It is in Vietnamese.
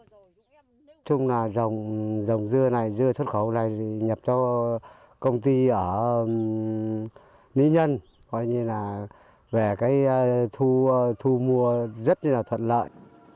nói chung là dòng dưa này dưa xuất khẩu này nhập cho công ty ở lý nhân gọi như là về cái thu mua rất là thuận lợi